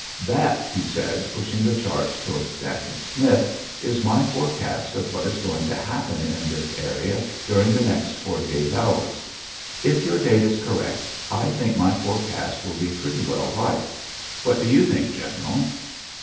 "That," he said, pushing the chart towards Dacent Smith, "is my forecast of what is going to happen in this area during the next forty eight hours. If your date is correct, I think my forecast will be pretty well right. What do you think, General?"